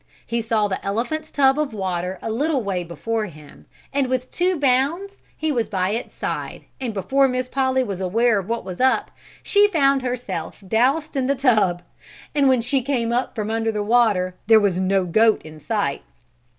He saw the elephant's tub of water a little way before him and with two bounds he was by its side and before Miss Polly was aware of what was up, she found herself doused in the tub, and when she came up from under the water there was no goat in sight.